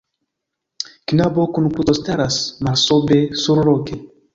Knabo kun kruco staras malsobe sursokle.